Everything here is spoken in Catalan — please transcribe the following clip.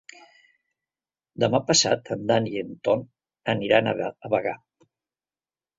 Demà passat en Dan i en Ton aniran a Bagà.